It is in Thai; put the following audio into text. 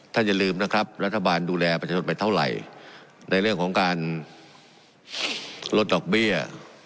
อย่าลืมนะครับรัฐบาลดูแลประชาชนไปเท่าไหร่ในเรื่องของการลดดอกเบี้ย